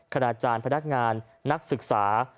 ณจารย์พนักงานนักศึกษา